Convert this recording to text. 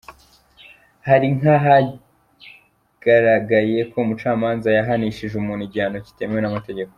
Hari nk’ahagaragaye ko umucamanza yahanishije umuntu igihano kitemewe n’amategeko ;.